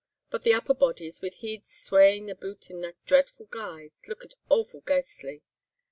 But the upper bodies, with heids swaying aboot in that dreadful guise, lookit awfu' ghaistly.